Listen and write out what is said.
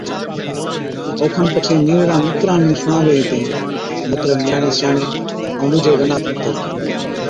اوکن پڇي نِيرڙان مِتران نُون سُڻاوَي ھِتين، مطلب نِياڻي سِياڻي ائُون ڏُوجي گنات مِتر